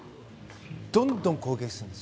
どんどん攻撃するんです。